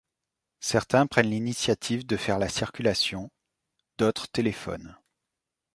Certains prennent l'initiative de faire la circulation, d'autres téléphonent.